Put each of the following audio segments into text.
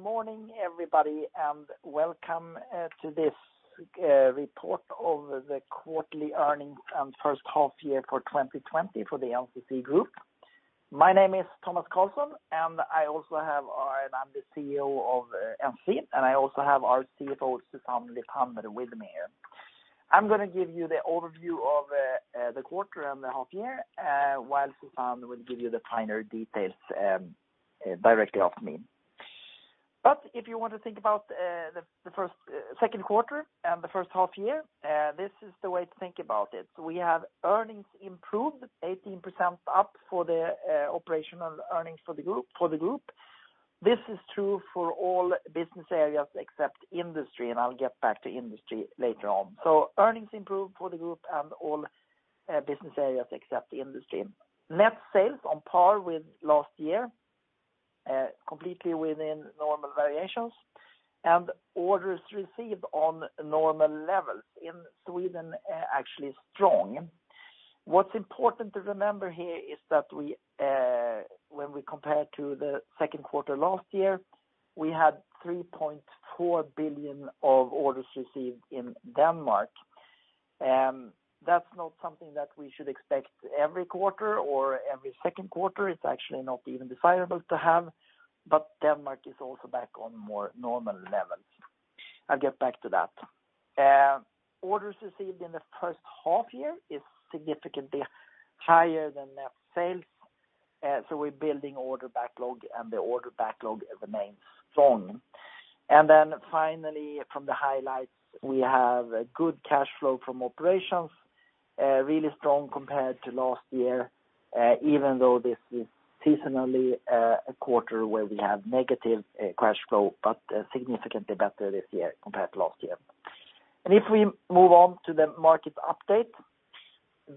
Good morning, everybody, and welcome to this report of the quarterly earnings and first half year for 2020 for the NCC Group. My name is Tomas Carlsson, and I also have our and I'm the CEO of NCC, and I also have our CFO, Susanne Lithander, with me here. I'm gonna give you the overview of the quarter and the half year, while Susanne will give you the finer details directly after me. But if you want to think about the first, second quarter and the first half year, this is the way to think about it. We have earnings improved 18% up for the operational earnings for the group, for the group. This is true for all business areas, except Industry, and I'll get back to Industry later on. So earnings improved for the group and all, business areas, except Industry. Net sales on par with last year, completely within normal variations, and orders received on normal levels. In Sweden, actually strong. What's important to remember here is that we, when we compare to the second quarter last year, we had 3.4 billion of orders received in Denmark. That's not something that we should expect every quarter or every second quarter. It's actually not even desirable to have, but Denmark is also back on more normal levels. I'll get back to that. Orders received in the first half year is significantly higher than net sales, so we're building order backlog, and the order backlog remains strong. And then finally, from the highlights, we have a good cash flow from operations, really strong compared to last year, even though this is seasonally a quarter where we have negative cash flow, but significantly better this year compared to last year. And if we move on to the market update,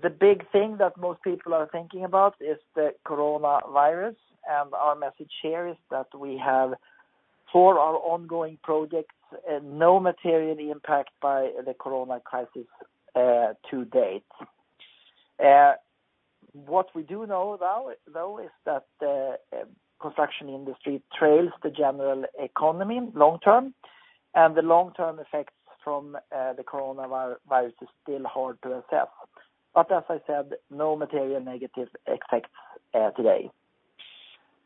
the big thing that most people are thinking about is the coronavirus, and our message here is that we have, for our ongoing projects, no material impact by the corona crisis to date. What we do know though is that the construction industry trails the general economy long term, and the long-term effects from the coronavirus is still hard to assess. But as I said, no material negative effects today.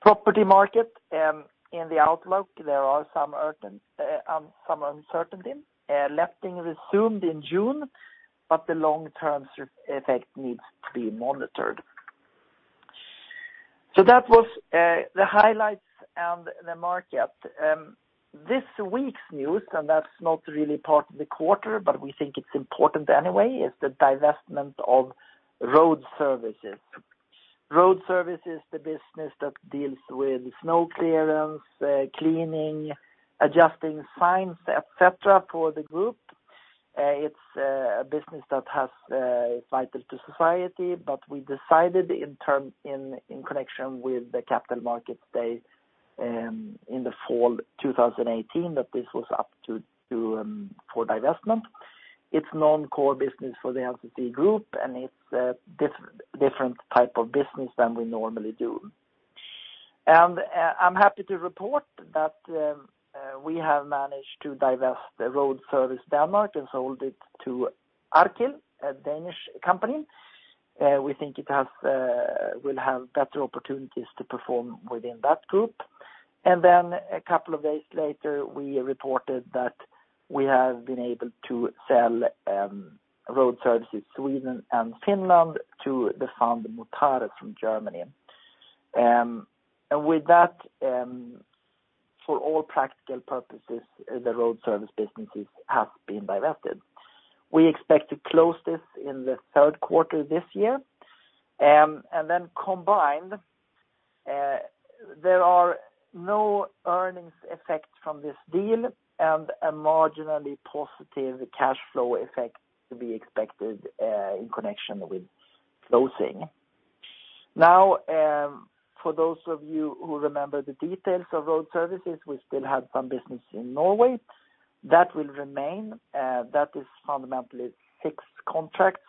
Property market, in the outlook, there are some uncertainty. Letting resumed in June, but the long-term sur- effect needs to be monitored. That was the highlights and the market. This week's news, and that's not really part of the quarter, but we think it's important anyway, is the divestment of Road Services. Road Service is the business that deals with snow clearance, cleaning, adjusting signs, et cetera, for the group. It's a business that is vital to society, but we decided in term, in connection with the Capital Markets Day, in the fall 2018, that this was up to, to, for divestment. It's non-core business for the NCC group, and it's a different type of business than we normally do. I'm happy to report that we have managed to divest the Road Services Denmark and sold it to Arkil, a Danish company. We think it will have better opportunities to perform within that group. And then a couple of days later, we reported that we have been able to sell Road Services Sweden and Finland to the fund Mutares from Germany. And with that, for all practical purposes, the Road Services businesses have been divested. We expect to close this in the third quarter this year. And then combined, there are no earnings effects from this deal and a marginally positive cash flow effect to be expected in connection with closing. Now, for those of you who remember the details of Road Services, we still have some business in Norway. That will remain, that is fundamentally fixed contracts.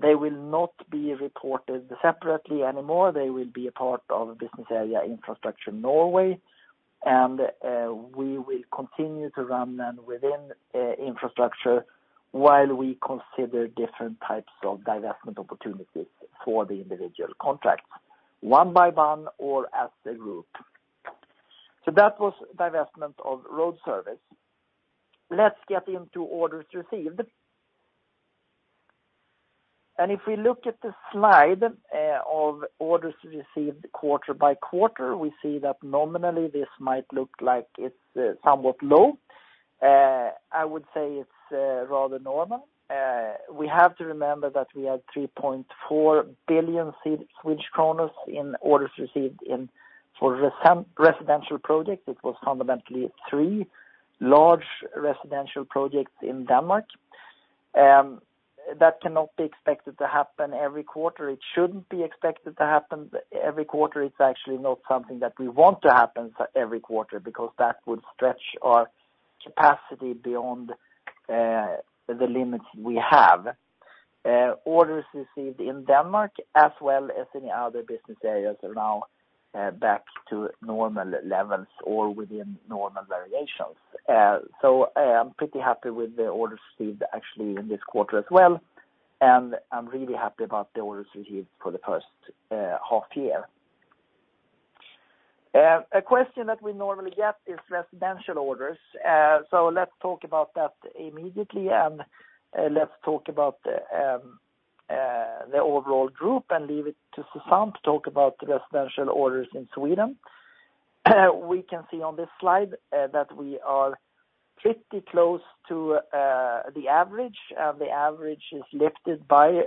They will not be reported separately anymore. They will be a part of business area Infrastructure Norway, and we will continue to run them within Infrastructure while we consider different types of divestment opportunities for the individual contracts, one by one or as a group. So that was divestment of Road Services. Let's get into orders received. If we look at the slide of orders received quarter by quarter, we see that nominally this might look like it's somewhat low. I would say it's rather normal. We have to remember that we had 3.4 billion in orders received for residential projects. It was fundamentally three large residential projects in Denmark. That cannot be expected to happen every quarter. It shouldn't be expected to happen every quarter. It's actually not something that we want to happen for every quarter, because that would stretch our capacity beyond the limits we have. Orders received in Denmark, as well as any other business areas, are now back to normal levels or within normal variations. So, I am pretty happy with the orders received actually in this quarter as well, and I'm really happy about the orders received for the first half year. A question that we normally get is residential orders. So let's talk about that immediately, and let's talk about the overall group, and leave it to Susanne to talk about the residential orders in Sweden. We can see on this slide that we are pretty close to the average. The average is lifted by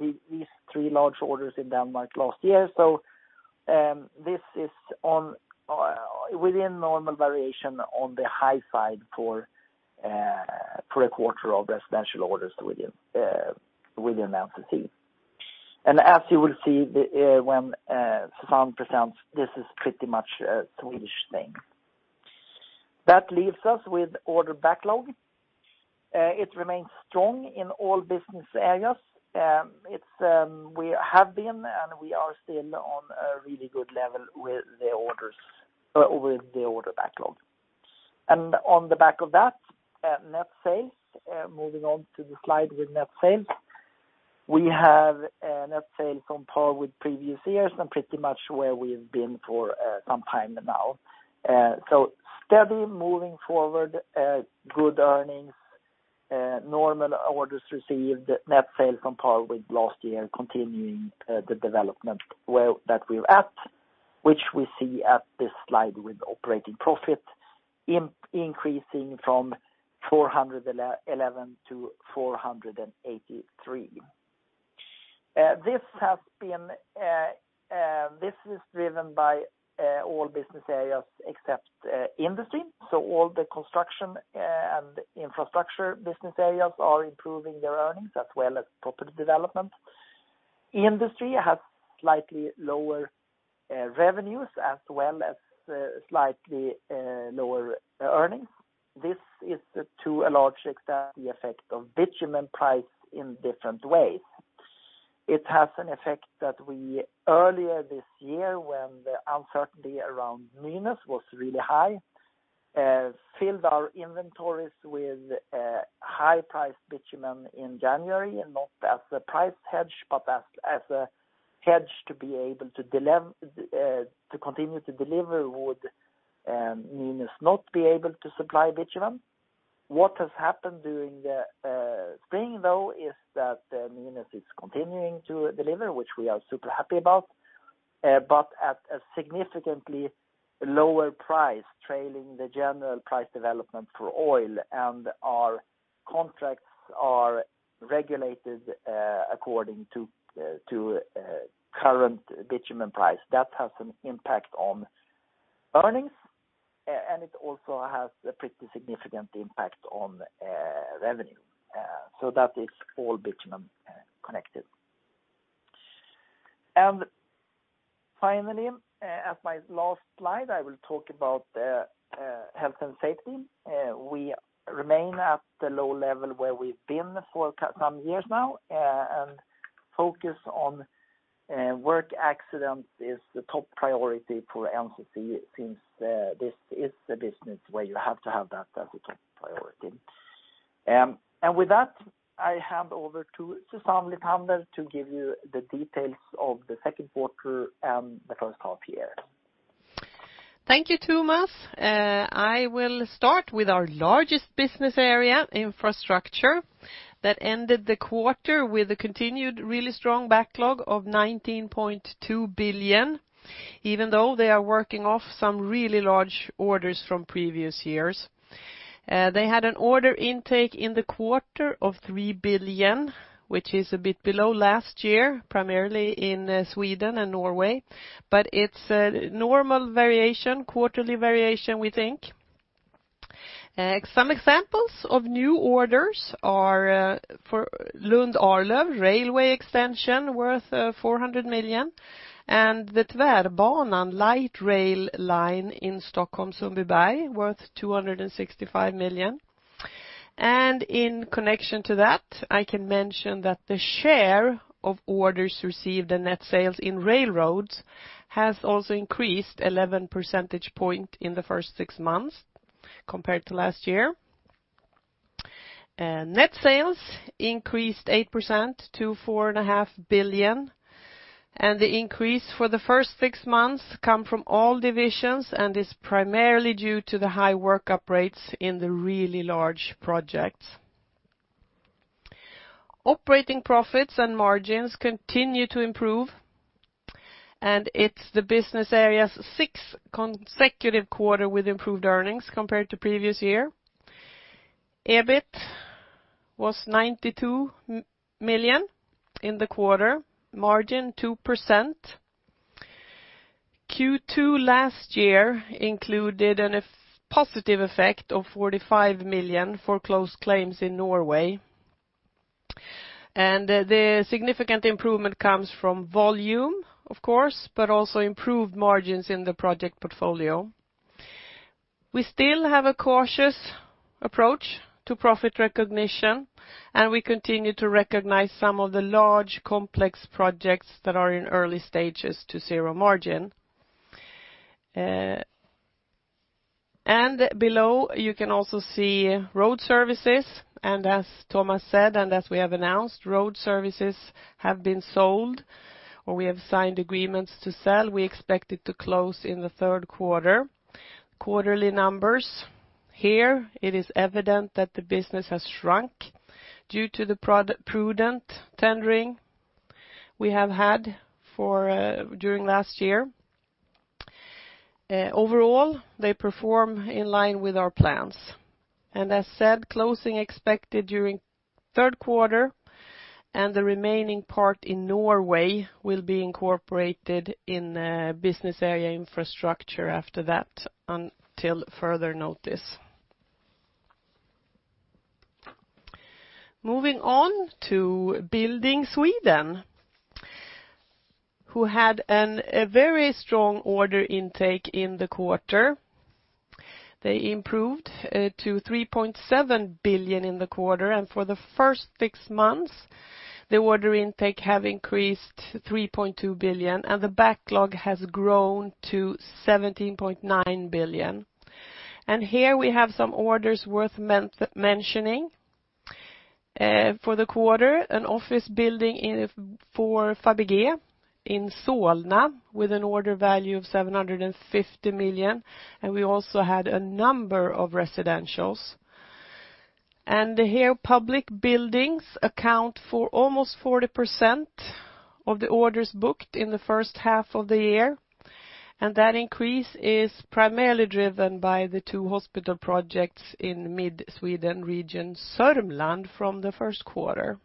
these three large orders in Denmark last year. This is within normal variation on the high side for a quarter of residential orders within NCC. And as you will see, when Susanne presents, this is pretty much a Swedish thing. That leaves us with order backlog. It remains strong in all business areas. We have been, and we are still on a really good level with the orders, with the order backlog. And on the back of that, net sales, moving on to the slide with net sales. We have a net sales on par with previous years, and pretty much where we've been for some time now. Steady moving forward, good earnings, normal orders received, net sales on par with last year, continuing the development well, that we're at, which we see at this slide with operating profit increasing from 411 million to 483 million. This is driven by all business areas except Industry. All the Construction and Infrastructure business areas are improving their earnings, as well as Property Development. Industry has slightly lower revenues, as well as slightly lower earnings. This is to a large extent, the effect of bitumen price in different ways. It has an effect that we, earlier this year, when the uncertainty around Nynas was really high, filled our inventories with high-priced bitumen in January, and not as a price hedge, but as a hedge to be able to deliver to continue to deliver would Nynas not be able to supply bitumen. What has happened during the spring, though, is that Nynas is continuing to deliver, which we are super happy about, but at a significantly lower price, trailing the general price development for oil, and our contracts are regulated according to current bitumen price. That has an impact on earnings, and it also has a pretty significant impact on revenue. So that is all bitumen connected. And finally, as my last slide, I will talk about health and safety. We remain at the low level where we've been for some years now, and focus on work accidents is the top priority for NCC, since this is the business where you have to have that as a top priority. And with that, I hand over to Susanne Lithander to give you the details of the second quarter and the first half year. Thank you, Tomas. I will start with our largest business area, Infrastructure, that ended the quarter with a continued really strong backlog of 19.2 billion, even though they are working off some really large orders from previous years. They had an order intake in the quarter of 3 billion, which is a bit below last year, primarily in Sweden and Norway, but it's a normal quarterly variation, we think. Some examples of new orders are for the Lund-Arlöv railway extension, worth 400 million, and the Tvärbanan light rail line in Stockholm, Sundbyberg, worth 265 million. In connection to that, I can mention that the share of orders received and net sales in railroads has also increased 11 percentage points in the first six months compared to last year. Net sales increased 8% to 4.5 billion, and the increase for the first six months come from all divisions, and is primarily due to the high workup rates in the really large projects. Operating profits and margins continue to improve, and it's the business area's sixth consecutive quarter with improved earnings compared to previous year. EBIT was 92 million in the quarter, margin 2%. Q2 last year included a positive effect of 45 million for closed claims in Norway. The significant improvement comes from volume, of course, but also improved margins in the project portfolio. We still have a cautious approach to profit recognition, and we continue to recognize some of the large, complex projects that are in early stages to zero margin. Below, you can also see Road Services, and as Tomas said, and as we have announced, Road Services have been sold, or we have signed agreements to sell. We expect it to close in the third quarter. Quarterly numbers. Here, it is evident that the business has shrunk due to the prudent tendering we have had for, during last year. Overall, they perform in line with our plans. As said, closing expected during third quarter, and the remaining part in Norway will be incorporated in business area Infrastructure after that, until further notice. Moving on to Building Sweden, who had a very strong order intake in the quarter. They improved to 3.7 billion in the quarter, and for the first 6 months, the order intake have increased to 3.2 billion, and the backlog has grown to 17.9 billion. Here we have some orders worth mentioning. For the quarter, an office building for Fabege in Solna, with an order value of 750 million, and we also had a number of residentials. Here, public buildings account for almost 40% of the orders booked in the first half of the year, and that increase is primarily driven by the two hospital projects in mid-Sweden region, Sörmland, from the first quarter.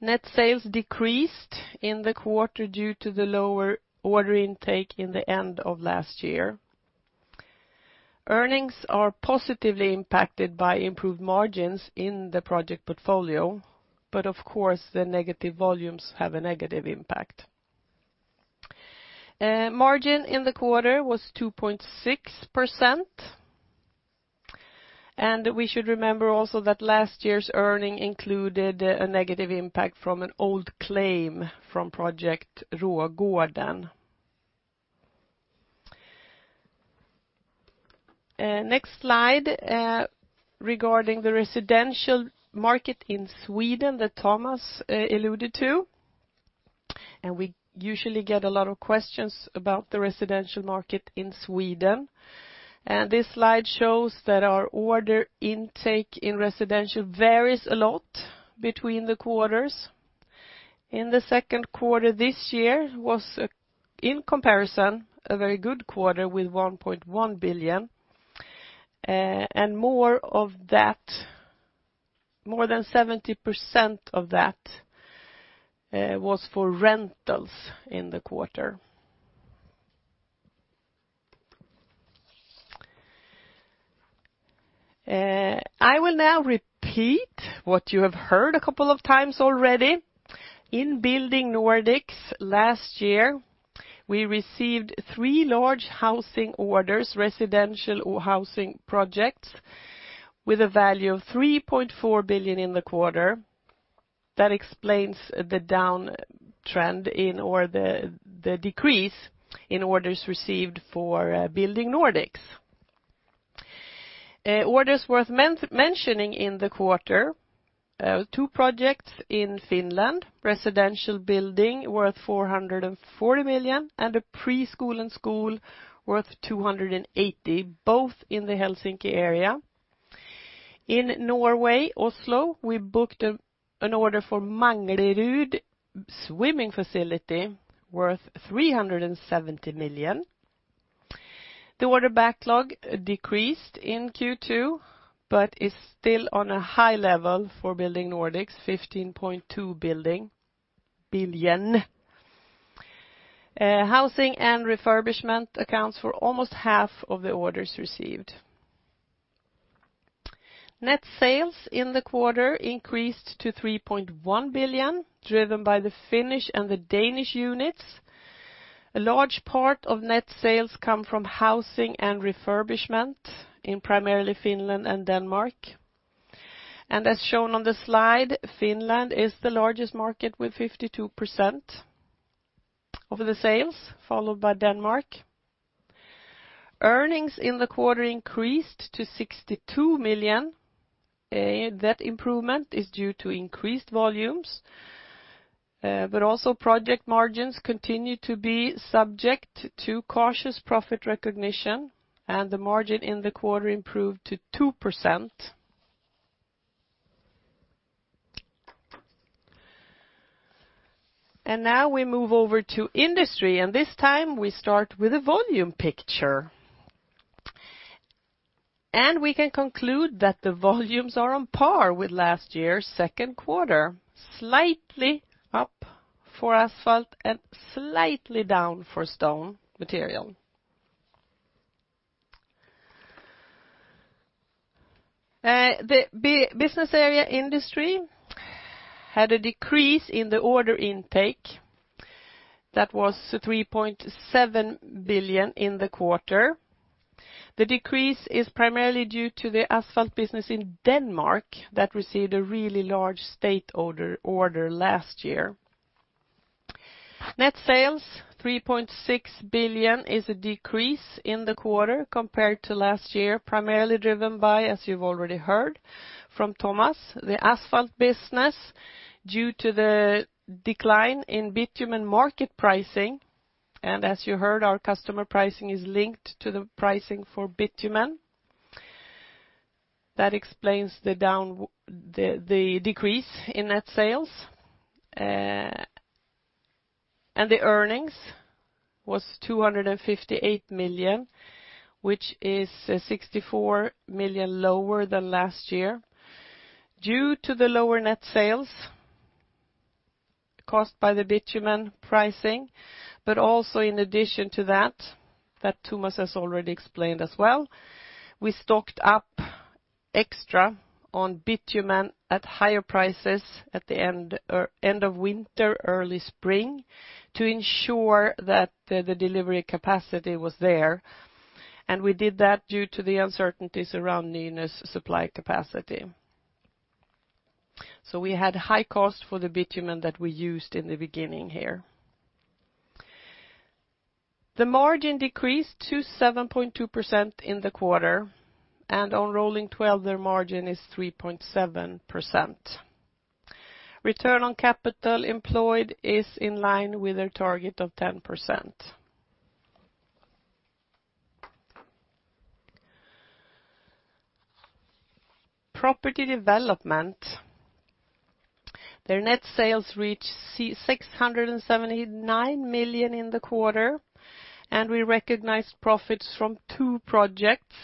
Net sales decreased in the quarter due to the lower order intake in the end of last year. Earnings are positively impacted by improved margins in the project portfolio, but of course, the negative volumes have a negative impact. Margin in the quarter was 2.6%, and we should remember also that last year's earnings included a negative impact from an old claim from project Rågården. Next slide, regarding the residential market in Sweden that Tomas alluded to, and we usually get a lot of questions about the residential market in Sweden. This slide shows that our order intake in residential varies a lot between the quarters. In the second quarter this year, in comparison, a very good quarter with 1.1 billion, and more of that, more than 70% of that was for rentals in the quarter. I will now repeat what you have heard a couple of times already. In Building Nordics last year, we received three large housing orders, residential housing projects, with a value of 3.4 billion in the quarter. That explains the down trend in, or the, the decrease in orders received for Building Nordics. Orders worth mentioning in the quarter, two projects in Finland, residential building worth 440 million, and a preschool and school worth 280 million, both in the Helsinki area. In Norway, Oslo, we booked an order for Manglerud swimming facility worth 370 million. The order backlog decreased in Q2, but is still on a high level for Building Nordics, 15.2 billion. Housing and refurbishment accounts for almost half of the orders received. Net sales in the quarter increased to 3.1 billion, driven by the Finnish and the Danish units. A large part of net sales come from housing and refurbishment in primarily Finland and Denmark. As shown on the slide, Finland is the largest market with 52% of the sales, followed by Denmark. Earnings in the quarter increased to 62 million. That improvement is due to increased volumes, but also project margins continue to be subject to cautious profit recognition, and the margin in the quarter improved to 2%. Now we move over to Industry, and this time, we start with a volume picture. We can conclude that the volumes are on par with last year's second quarter, slightly up for asphalt and slightly down for stone material. The business area Industry had a decrease in the order intake that was 3.7 billion in the quarter. The decrease is primarily due to the asphalt business in Denmark that received a really large state order last year. Net sales, 3.6 billion, is a decrease in the quarter compared to last year, primarily driven by, as you've already heard from Tomas, the asphalt business due to the decline in bitumen market pricing. And as you heard, our customer pricing is linked to the pricing for bitumen. That explains the decrease in net sales. And the earnings was 258 million, which is 64 million lower than last year due to the lower net sales caused by the bitumen pricing, but also in addition to that, that Tomas has already explained as well, we stocked up extra on bitumen at higher prices at the end of winter, early spring, to ensure that the delivery capacity was there, and we did that due to the uncertainties around Nynas supply capacity. So we had high cost for the bitumen that we used in the beginning here. The margin decreased to 7.2% in the quarter, and on Rolling Twelve, their margin is 3.7%. Return on capital employed is in line with their target of 10%. Property Development, their net sales reached 679 million in the quarter, and we recognized profits from two projects,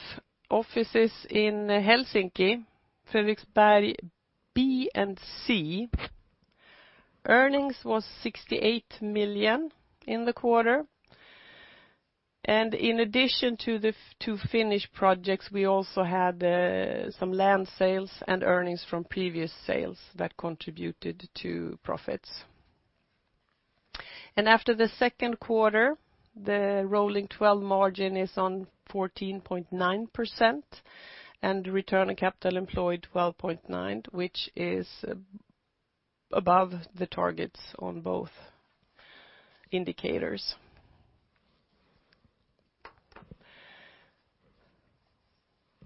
offices in Helsinki, Fredriksberg B and C. Earnings was 68 million in the quarter, and in addition to the two Finnish projects, we also had some land sales and earnings from previous sales that contributed to profits. After the second quarter, the Rolling Twelve Margin is at 14.9%, and return on capital employed, 12.9, which is above the targets on both indicators.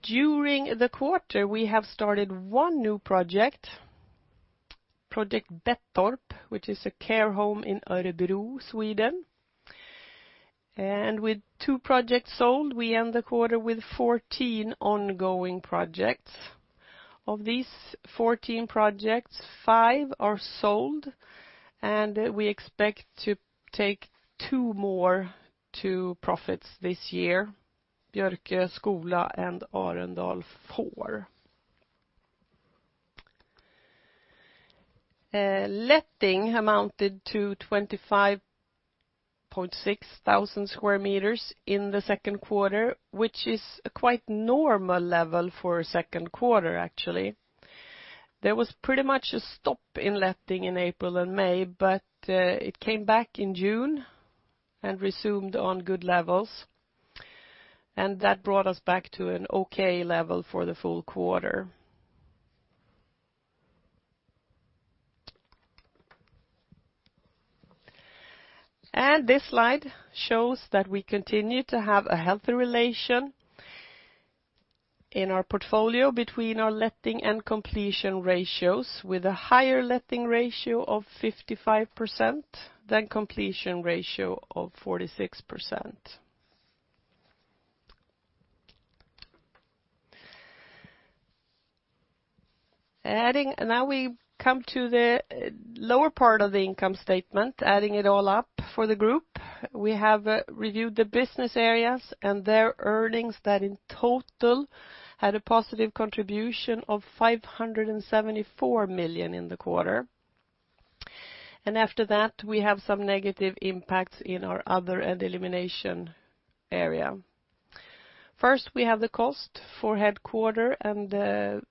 During the quarter, we have started one new project, Project Bettorp, which is a care home in Örebro, Sweden. With two projects sold, we end the quarter with 14 ongoing projects. Of these 14 projects, five are sold, and we expect to take two more to profits this year, Björkalundsskolan and Arendal 4. Letting amounted to 25,600 sq m in the second quarter, which is a quite normal level for a second quarter, actually. There was pretty much a stop in letting in April and May, but it came back in June and resumed on good levels, and that brought us back to an okay level for the full quarter. And this slide shows that we continue to have a healthy relation in our portfolio between our letting and completion ratios, with a higher letting ratio of 55% than completion ratio of 46%. Adding. Now we come to the lower part of the income statement, adding it all up for the group. We have reviewed the business areas and their earnings that in total had a positive contribution of 574 million in the quarter. After that, we have some negative impacts in our other and elimination area. First, we have the cost for headquarters and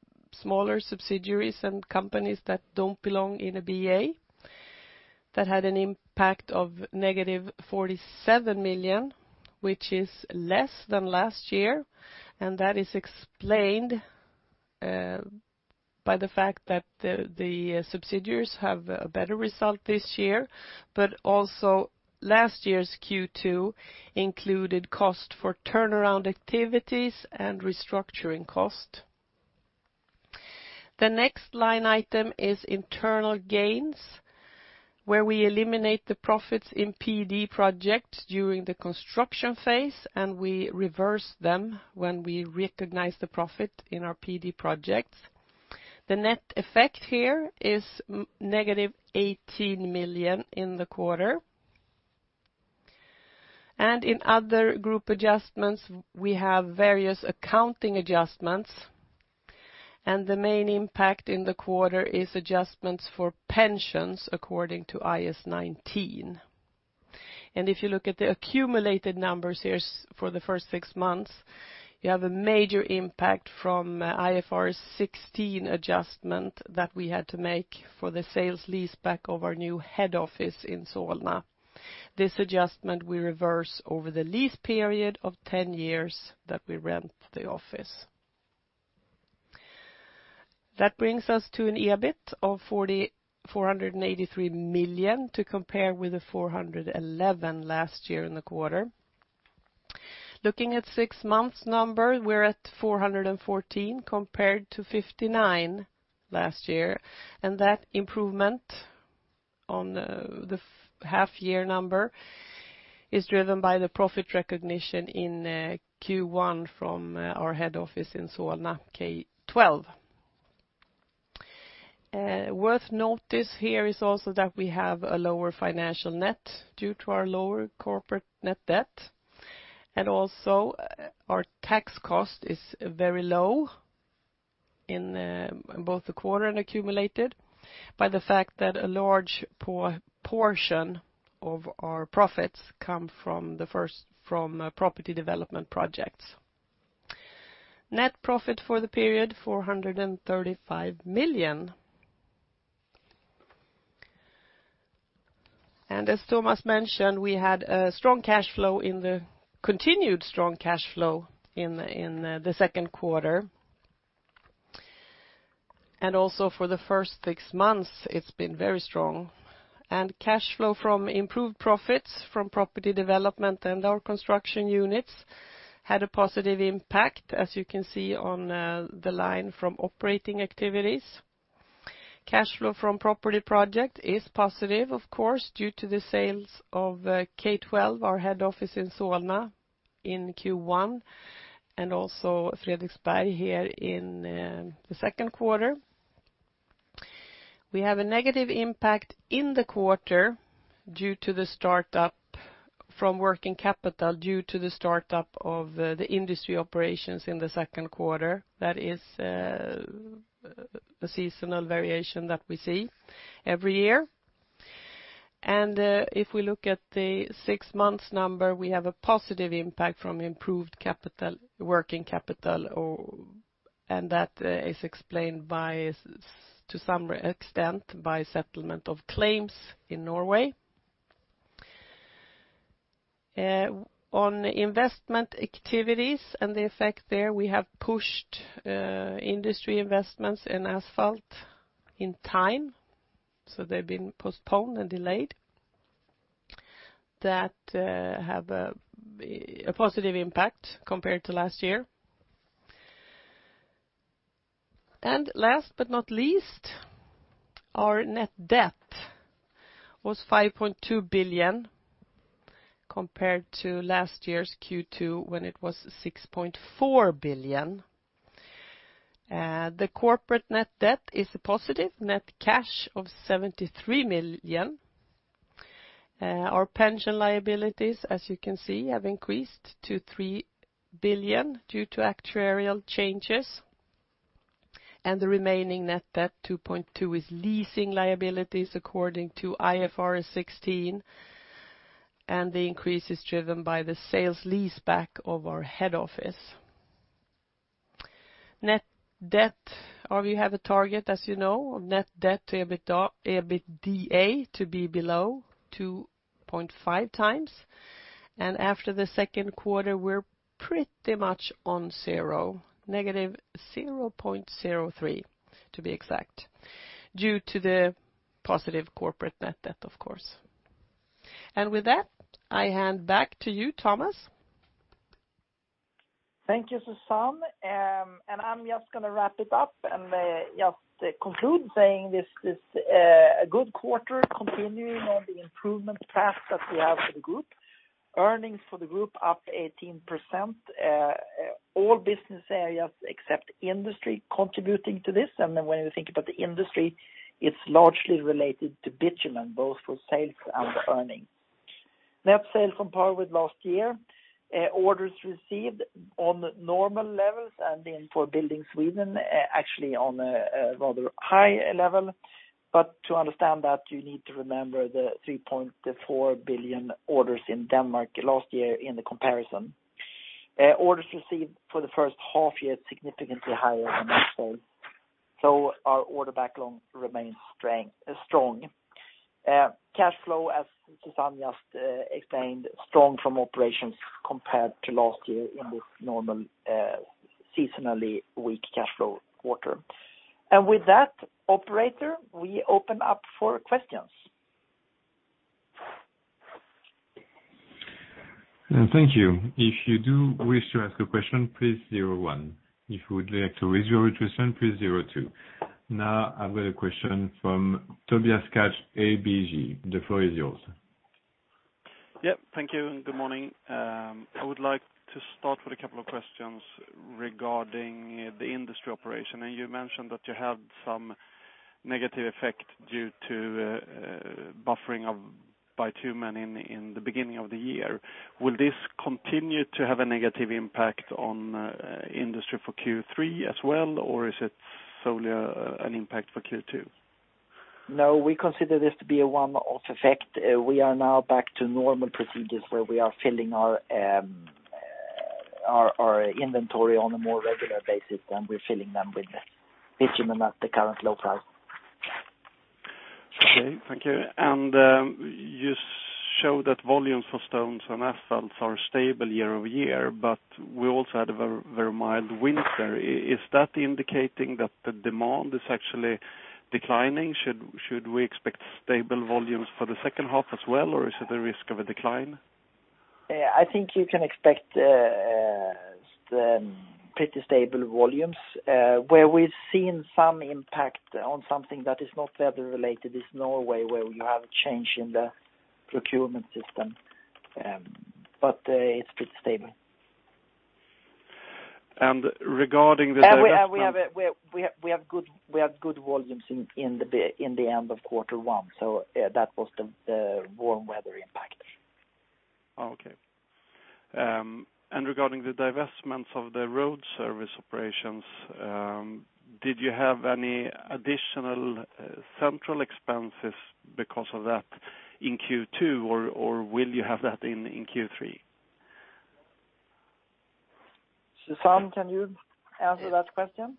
smaller subsidiaries and companies that don't belong in a BA, that had an impact of negative 47 million, which is less than last year, and that is explained by the fact that the subsidiaries have a better result this year, but also last year's Q2 included cost for turnaround activities and restructuring cost. The next line item is internal gains, where we eliminate the profits in PD projects during the construction phase, and we reverse them when we recognize the profit in our PD projects. The net effect here is -18 million in the quarter. In other group adjustments, we have various accounting adjustments, and the main impact in the quarter is adjustments for pensions according to IAS 19. If you look at the accumulated numbers here's for the first six months, you have a major impact from IFRS 16 adjustment that we had to make for the sale-leaseback of our new head office in Solna. This adjustment we reverse over the lease period of 10 years that we rent the office. That brings us to an EBIT of 483 million, to compare with 411 million last year in the quarter. Looking at six months number, we're at 414 million, compared to 59 million last year. That improvement on the half year number is driven by the profit recognition in Q1 from our head office in Solna, K12. Worth notice here is also that we have a lower financial net due to our lower corporate net debt. Also, our tax cost is very low in both the quarter and accumulated, by the fact that a large portion of our profits come from the first, from Property Development projects. Net profit for the period, 435 million. As Tomas mentioned, we had a strong cash flow in the continued strong cash flow in the second quarter. Also for the first six months, it's been very strong. Cash flow from improved profits from Property Development and our construction units had a positive impact, as you can see on the line from operating activities. Cash flow from property project is positive, of course, due to the sales of K12, our head office in Solna, in Q1, and also Fredriksberg here in the second quarter. We have a negative impact in the quarter due to the start up from working capital, due to the start up of the Industry operations in the second quarter. That is a seasonal variation that we see every year. And if we look at the six months number, we have a positive impact from improved capital, working capital, and that is explained by, to some extent, by settlement of claims in Norway. On investment activities and the effect there, we have pushed Industry investments in asphalt in time, so they've been postponed and delayed. That have a positive impact compared to last year. And last but not least, our net debt was 5.2 billion, compared to last year's Q2, when it was 6.4 billion. The corporate net debt is a positive net cash of 73 million. Our pension liabilities, as you can see, have increased to 3 billion due to actuarial changes. The remaining net debt, 2.2 billion, is leasing liabilities according to IFRS 16, and the increase is driven by the sale-leaseback of our head office. Net debt, or we have a target, as you know, of net debt to EBITDA to be below 2.5x. After the second quarter, we're pretty much on zero, -0.03x, to be exact, due to the positive corporate net debt, of course. With that, I hand back to you, Tomas. Thank you, Susanne. And I'm just gonna wrap it up and, just, conclude saying this, a good quarter continuing on the improvement path that we have for the group. Earnings for the group up 18%, all business areas except Industry contributing to this. And then when you think about the Industry, it's largely related to bitumen, both for sales and earnings. Net sales compared with last year, orders received on normal levels, and then for Building Sweden, actually on a rather high level. But to understand that, you need to remember the 3.4 billion orders in Denmark last year in the comparison. Orders received for the first half year, significantly higher than last year, so our order backlog remains strong. Cash flow, as Susanne just explained, strong from operations compared to last year in this normal, seasonally weak cash flow quarter. And with that, operator, we open up for questions. Thank you. If you do wish to ask a question, please zero one. If you would like to raise your hand, please zero two. Now, I've got a question from Tobias Kaj, ABG. The floor is yours. Yep. Thank you, and good morning. I would like to start with a couple of questions regarding the Industry operation. You mentioned that you had some negative effect due to buffering of bitumen in the beginning of the year. Will this continue to have a negative impact on Industry for Q3 as well, or is it solely an impact for Q2? No, we consider this to be a one-off effect. We are now back to normal procedures, where we are filling our inventory on a more regular basis, and we're filling them with bitumen at the current low price. Okay, thank you. And, you show that volumes for stones and asphalts are stable year-over-year, but we also had a very, very mild winter. Is that indicating that the demand is actually declining? Should we expect stable volumes for the second half as well, or is it a risk of a decline? I think you can expect pretty stable volumes. Where we've seen some impact on something that is not weather-related is Norway, where you have a change in the procurement system, but it's pretty stable. Regarding the- We have good volumes in the end of quarter one, so that was the warm weather impact. Okay. And regarding the divestments of the Road Service operations, did you have any additional central expenses because of that in Q2, or will you have that in Q3? Susanne, can you answer that question?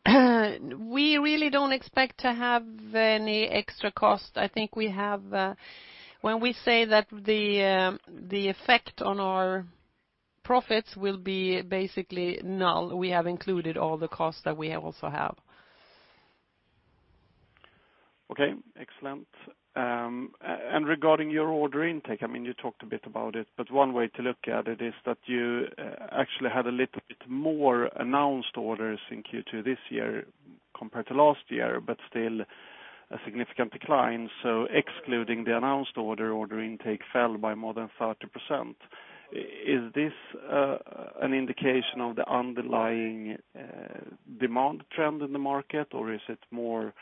We really don't expect to have any extra cost. I think we have, when we say that the effect on our profits will be basically null, we have included all the costs that we also have. Okay, excellent. And regarding your order intake, I mean, you talked a bit about it, but one way to look at it is that you actually had a little bit more announced orders in Q2 this year compared to last year, but still a significant decline. So excluding the announced order, order intake fell by more than 30%. Is this an indication of the underlying demand trend in the market, or is it more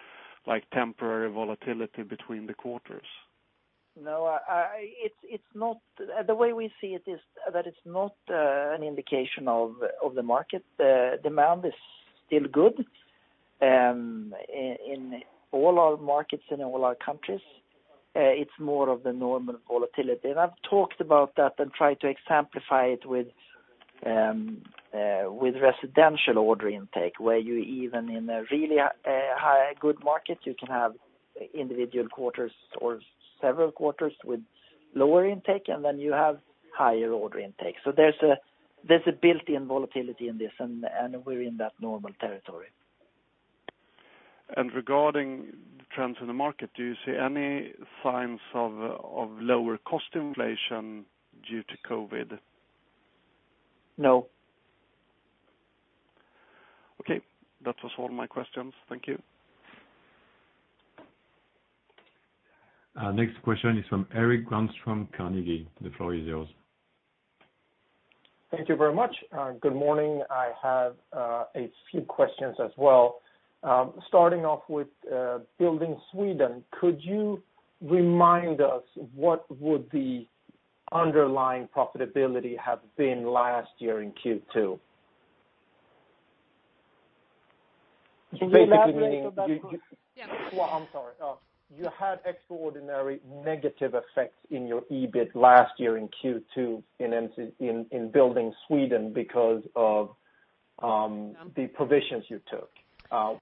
like temporary volatility between the quarters? No, it's not the way we see it is, that it's not an indication of the market. Demand is still good in all our markets, in all our countries. It's more of the normal volatility. And I've talked about that and tried to exemplify it with residential order intake, where you even in a really high good market, you can have individual quarters or several quarters with lower intake, and then you have higher order intake. So there's a built-in volatility in this, and we're in that normal territory. Regarding the trends in the market, do you see any signs of lower cost inflation due to COVID? No. Okay, that was all my questions. Thank you. Next question is from Erik Granström, Carnegie. The floor is yours. Thank you very much. Good morning. I have a few questions as well. Starting off with Building Sweden, could you remind us what would the underlying profitability have been last year in Q2? Basically meaning- Yeah. Well, I'm sorry. You had extraordinary negative effects in your EBIT last year in Q2, in Building Sweden, because of the provisions you took,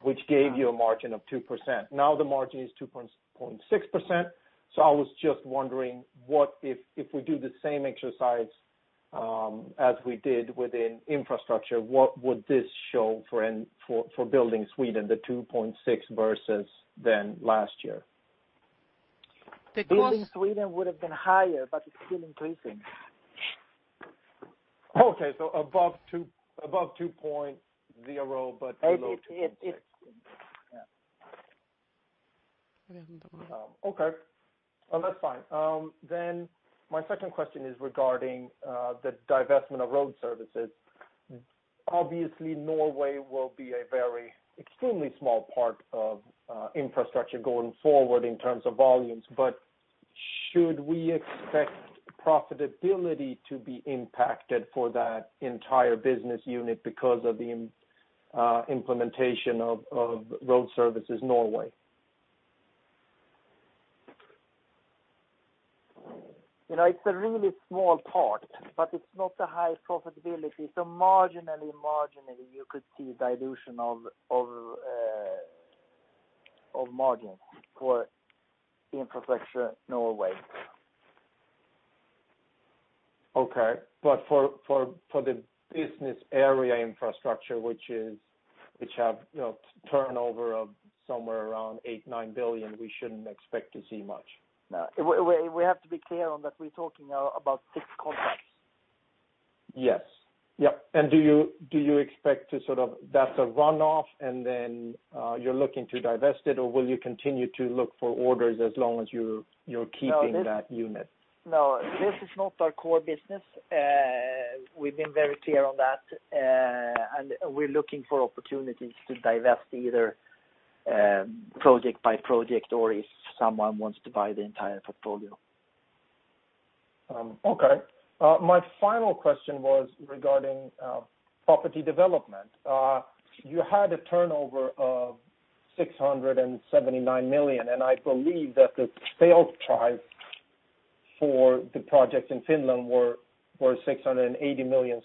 which gave you a margin of 2%. Now, the margin is 2.6%. So I was just wondering, what if we do the same exercise as we did within Infrastructure, what would this show for Building Sweden, the 2.6% versus than last year? The cost- Building Sweden would have been higher, but it's still increasing. Okay, so above 2%, above 2.0%, but below 2.6%. It, it, it... Yeah. Okay. That's fine. Then my second question is regarding the divestment of Road Services. Obviously, Norway will be a very extremely small part of Infrastructure going forward in terms of volumes, but should we expect profitability to be impacted for that entire business unit because of the implementation of Road Services Norway? You know, it's a really small part, but it's not a high profitability, so marginally, you could see dilution of margin for Infrastructure Norway. Okay. But for the business area Infrastructure, which has, you know, turnover of somewhere around 8 billion-9 billion, we shouldn't expect to see much? No. We have to be clear on that we're talking now about six contracts. Yes. Yep, and do you expect to sort of, that's a runoff, and then, you're looking to divest it, or will you continue to look for orders as long as you're keeping that unit? No, this is not our core business. We've been very clear on that. We're looking for opportunities to divest either project by project, or if someone wants to buy the entire portfolio.... Okay. My final question was regarding Property Development. You had a turnover of 679 million, and I believe that the sales price for the projects in Finland were 680 million.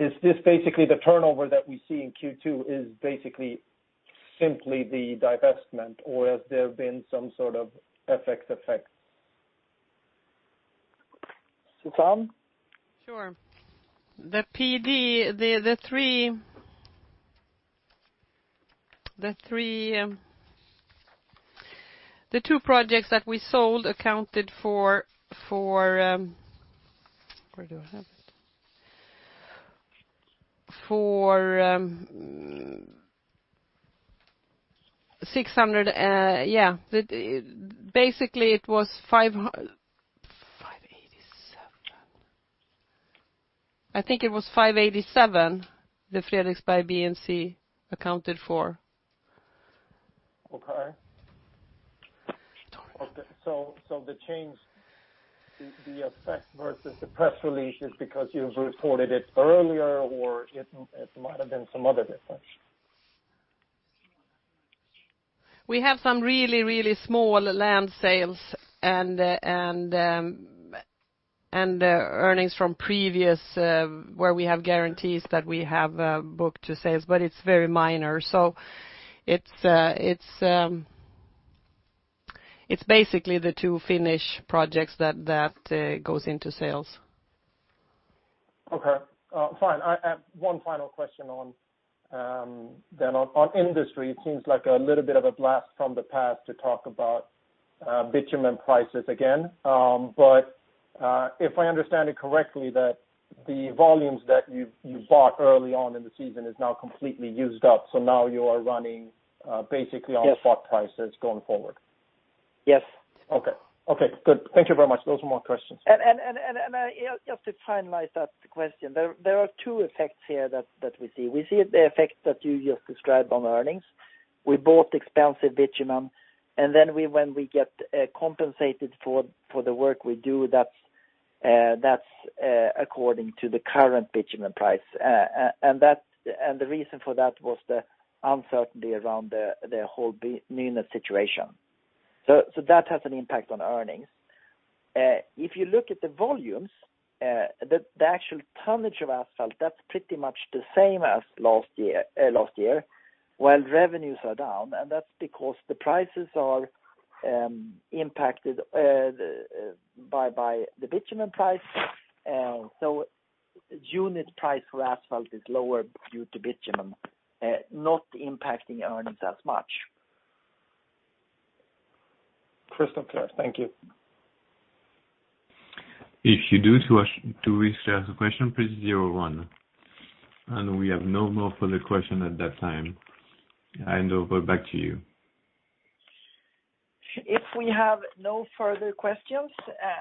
Is this basically the turnover that we see in Q2, is basically simply the divestment, or has there been some sort of FX effect. Susanne? Sure. The PD, the two projects that we sold accounted for, for, where do I have it? For, 600 million, yeah, basically, it was 587 million. I think it was 587 million, the Fredriksberg B and C accounted for. Okay, so the change, the effect versus the press release is because you've reported it earlier, or it might have been some other difference? We have some really, really small land sales and earnings from previous where we have guarantees that we have booked to sales, but it's very minor. So it's basically the two Finnish projects that goes into sales. Okay, fine. I, one final question on, then on, on Industry, it seems like a little bit of a blast from the past to talk about, bitumen prices again. But, if I understand it correctly, that the volumes that you've, you bought early on in the season is now completely used up, so now you are running, basically- Yes. on spot prices going forward. Yes. Okay. Okay, good. Thank you very much. Those are my questions. Just to finalize that question, there are two effects here that we see. We see the effect that you just described on earnings. We bought expensive bitumen, and then when we get compensated for the work we do, that's according to the current bitumen price. And that, the reason for that was the uncertainty around the whole Nynas situation. So that has an impact on earnings. If you look at the volumes, the actual tonnage of asphalt, that's pretty much the same as last year, last year, while revenues are down, and that's because the prices are impacted by the bitumen price. So unit price for asphalt is lower due to bitumen not impacting earnings as much. Crystal clear. Thank you. If you'd like to ask or re-ask a question, press zero one, and we have no more further questions at that time. And back over to you. If we have no further questions,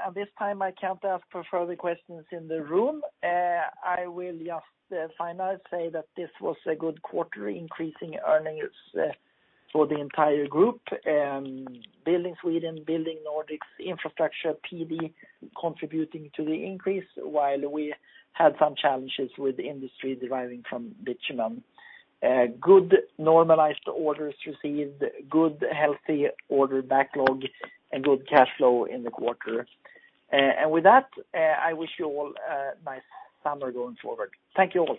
at this time, I can't ask for further questions in the room. I will just, finalize, say that this was a good quarter, increasing earnings, for the entire group, Building Sweden, Building Nordics, Infrastructure, PD, contributing to the increase, while we had some challenges with Industry deriving from bitumen. Good normalized orders received, good, healthy order backlog, and good cash flow in the quarter. And with that, I wish you all a nice summer going forward. Thank you all.